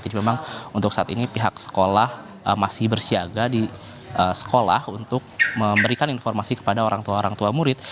jadi memang untuk saat ini pihak sekolah masih bersiaga di sekolah untuk memberikan informasi kepada orang tua orang tua murid